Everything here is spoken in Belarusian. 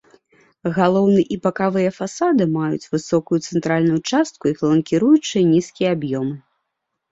Галоўны і бакавыя фасады маюць высокую цэнтральную частку і фланкіруючыя нізкія аб'ёмы.